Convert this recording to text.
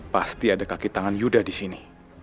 pasti ada kaki tangan yudha disini